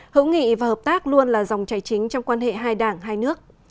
hữu nghị và hợp tác luôn là dòng chảy chính trong quan hệ hai đảng hai nước